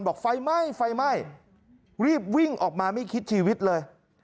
ไฟไหม้ไฟไหม้รีบวิ่งออกมาไม่คิดชีวิตเลย